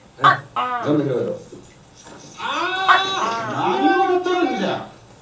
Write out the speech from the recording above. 何をやっとるんじゃ！